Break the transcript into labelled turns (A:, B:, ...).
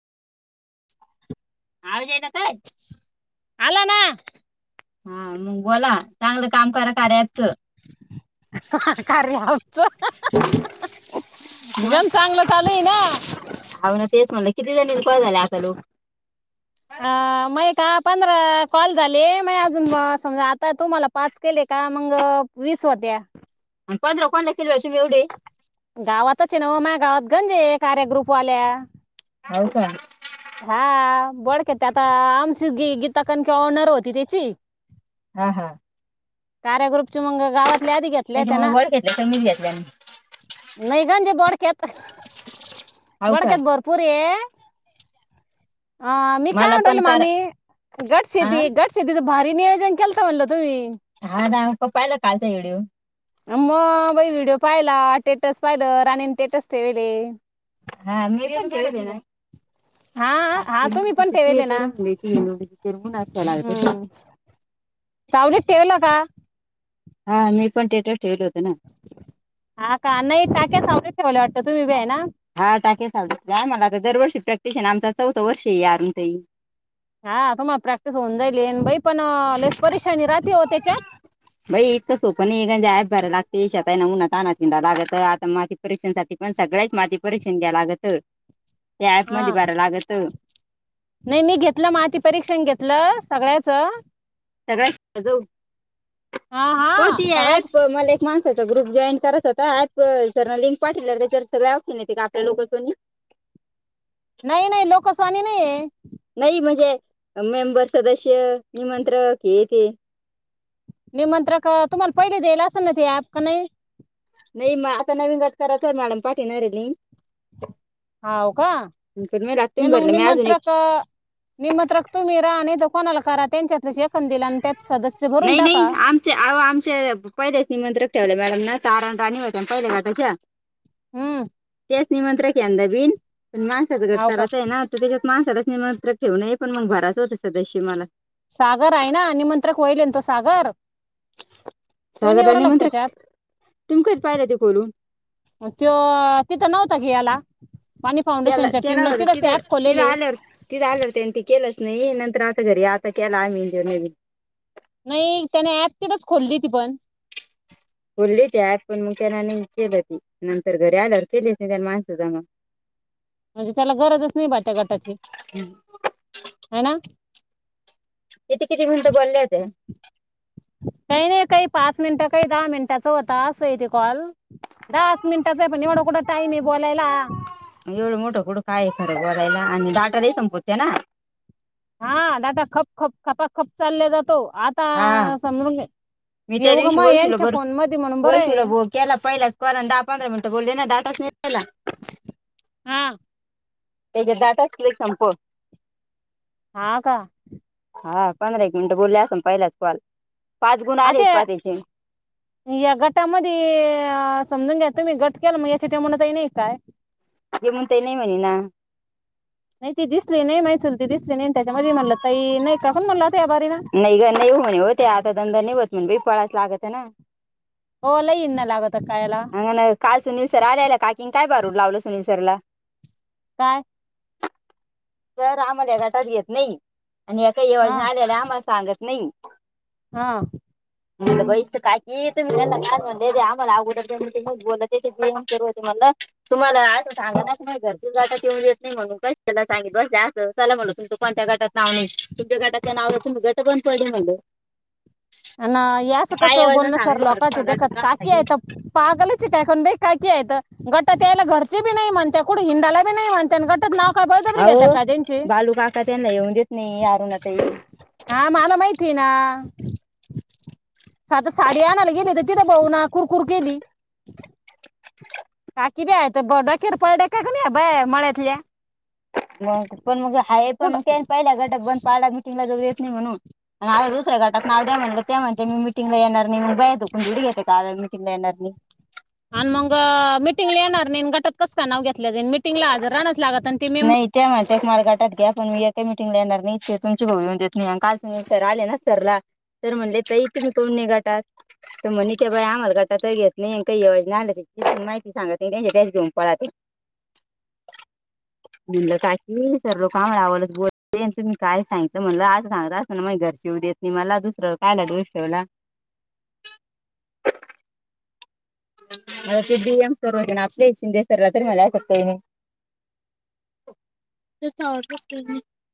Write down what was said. A: [inaudible] आवाज येई ना काय
B: आला ना
A: हा मंग बोला चांगलं काम करा कार्याचं
B: कार्याचं गम
A: मग
B: चांगलं चालूये ना
A: तियांनी कॉल झालं आपल्याला हो
B: ह मये का पंधरा कॉल झाले मये अजून म समजा आत ता तुम्हाला पाच केले का मंग वीस होत्या
A: पंधरा कोणला केले ओ तुम्ही एवढे
B: कार्या ग्रुपवाल्या
A: हाव काय
B: हा बोडकेत आता आमची गी गीता कणं की ओनर होती त्याची
A: हा हा
B: कार्या ग्रुपची मंग गावात
A: त्याच्यामुळ वळखीतल्या कमीच घेतल्या न
B: अणजी बोडक्यात
A: हो का
B: बोडक्यात भरपूर ये ह मी काय
A: मला
B: म्हणु
A: पण
B: राहिले
A: कार
B: मामी गट
A: हा
B: शेती गट शेतीच भारी नियोजन केलत म्हणल तुम्ही
A: हा ना तो पाहिला कालचा व्हिडिओ
B: अ म बाई व्हिडिओ पाहिला. टेटस पाहिलं. राणी टेटस ठेवीले.
A: ह मी ठेविले ना
B: हा हा तुम्ही पण ठेवले ना
A: [unintelligible]
B: हम्म सावलीत ठेवलं का
A: हा मी पण टेटस ठेवले होते.
B: हा का नाही टाक्या स [inaudible]
A: हा टाक्या स जाय मला दरवर्षी प्रॅक्टिस आह ना. आमचा चौथं वर्ष ये अरुणाताई.
B: हा तुम्हाला प्रॅक्टिस होऊन जाइलीना बाई पण अं, लयच परेशानी राहते हो त्याच्यात
A: बाई इतक सोपं नाही आहे गन्ज यॅप भरावी लागते शेतात काय नाही उन्हा तानात हिडावं लागतं. आता माती परीक्षणासाठी पण सगळ्याच माती परीक्षण घ्यावं लागतं.
B: हा नाही मी घेतलं माती परीक्षण घेतलं सगळ्याच
A: सगळचं
B: हा
A: होती ऍप
B: सगळ्याच
A: मला एक माणसाचा ग्रुप जॉईन करत होता. ऍप जरा लिंक पाठवल्यावर त्याच्या वर सगळं ऑपशन येते का? आपल्या लोकसनी
B: नाही नाही लोकसवानी नाहीय
A: नाही म्हणजे मेंबर, सदस्य निमंत्रक हे ते
B: निमंत्रक तुम्हाला पहिले दे्याल असेल ना ते ॲप का नायी?
A: नाही म आता नवीन गट करायचय मॅडम पाठी नाही राहिली?
B: हा ओ का
A: मला
B: नाही
A: तुम्ही
B: मग
A: भरलं मी अजून एक
B: निमंत्रक-निमंत्रक तुम्ही राहा आणि त कोणाला करा त्यांच्यातलं ऐकांदीला न आणि त्या
A: नाही-नाही आमचे आ आमचे पहिलेच निमंत्रक ठेवले गाईंना चारा पाणी होते [unintelligible]
B: हम्म!
A: चं निमंत्रक येंदा बी पण माणसाचा गट
B: हाव का
A: करत आहे ना तं त्यज्यात. [inaudible] निमंत्रक ठेऊ नये पण मग भरायचं होतं सदस्य मला
B: सागर आहे ना निमंत्रक होईल न तो सागर? तो
A: सागरला
B: निवरोलोक
A: निमंत्रक
B: त्याच्यात.
A: तुम्ही कधी पाहिलं ते खोलून
B: त्यो तिथं नव्ह कधी आला?
A: केला केला होत तिथं तिथं आल्यावर तिथं आल्यावर त्यनं ते केलं नाही नंतर आता घरी आता केला आम्ही [unintelligible]
B: नाही त्याने ऍप तटच खोलली ती पण
A: बोलली ती ॲप पण मग ते आणि नाही केलंती नंतर घरी आल्यावर केली असतीन माणसं जमउन
B: म्हणजे त्याला गरजच नाही बाट्या गटाची. हय ना?
A: [unintelligible] किती मिनिटं बोलल्या हुत्या?
B: काही नाही काही पाच मिनट काही दहा मिनिटाचा होता असं हाय तो कॉल दहाच मिनिटाचा हाय पण एवढा कुठं टाइम हाय.
A: एवढ मोठं कुठं काय खरं बोलायला आणि दाटा लई संपूतेना.
B: हा दाटा खप खप खपा खप चालला जातो. आता
A: हा
B: [unintelligible]
A: मी त्या
B: येऊ ग
A: दिवशी
B: मग
A: वैशुला
B: यांच्या
A: बर
B: फोन मध्ये म्हणून बरं आहे
A: वैशूला केला पहिला कॉल दहा पंधरा मिनटं बोलले ना दाटच नाही राहिला.
B: हा
A: त्याच्या डाटा च लई संपत.
B: हा का
A: हा पंधरा एक मिनिटं बोलले आसन. पहिलाच कॉल पाच गुण
B: आता
A: आलेच पा
B: या
A: त्याचे
B: या गटामध्ये अ समजून घेत. तुम्ही गट केला मग याच्या तुम्हाला नाही काय
A: जेमून तेई नाही म्हणे ना.
B: नाही ती दिसली नाही माही चुलती दिसली नाही त्याच्यामध्ये म्हणलं ताई नाही काण म्हणला.
A: नाही ग नाही होणे हो ते आता धंदा नाही होत म्हणे बाई पळाच लागत. ना.
B: हो लई इन लागत. कायला
A: अंगं काल सुूनीलसर आलेला काकीन काय बारूड लावलं सुनील सरला.
B: काय?
A: तर आम्हाला या गटात घेत नाही. आणि ए का
B: हा
A: योजना आल्याला आम्हाला सांगत नाही.
B: हा
A: म बई काय क का म्हण आम्हाला अगोदर बोल बेम करते मला तुम्हाला असं सांगा ना नाही घरची जाटा येऊन येत नाही म्हणून काला सांगित बस असं चला म्हण तुमचं कोणत्या गटात नाव नाही. तुमच्या गटाच्या नाव तुमच गट बंद पडील म्हणल.
B: आन याच कस बोलण्या सर
A: बरं,
B: लोकांचे
A: तुमच्या गटात
B: देखत
A: नाव
B: काकी
A: नाही.
B: आहेत. पागलचे काय कोण बे काकी हाईत. गट तेला घरची बी नाही म्हणते कुठ हिंडाला बी नाही म्हन- - गटात नाव का बळजबरी घेतात
A: अहो
B: का त्यांचे?
A: बालू काका त्यांना येऊन देत नाही अरुणाताई
B: हा मला माहिती तीना साधं साडी आणयला गेली तिथं बहु ना कुरकुर केली. काकी बि हायेत बरबळ कीेरपळ डेक्या कणी ह्या बाया मळ्यातल्या.
A: मग पण मग आहे पण
B: कुठं.
A: मग काय पाहिल्या गटात बंद पाला मिटिंगला जाऊ येत नाही म्हणून. [unintelligible] गटात नाव द्या म्हनले त्या म्हणी मी मिटींगला येणार नाही म्हण [unintelligible] मिटिंगला येणार नाही.
B: आणि मंग मिटिंगला येणार नाहीन गटात कस का नाव घेतलं जाई मिटिंगला हाजर राहणच लागत. आणि ते मेंबर
A: नाही त्या म एक मार्गाटा त्यापण एका मिटींगला येणार नाही त्या तुमच्या [unintelligible] काल तर सर आलेतर म्हणले ताई तुम्ही काहुन नाही गटात तर म्हणे बाई आम्हाला गटातचं घेत नाही आणि काही योजना आल्या तर माहितीपण सांगत नाही तेनचं तेनी घेऊन पळाले. म्हणलं काकी सर लोक आम्हालाच बोलते, तुम्ही काय सांगितलं म्हणलं, असं सांगत असत ना माये घरचे येउ देत नाही मला दुसरं कायला दोष ठेवला. [unintelligible]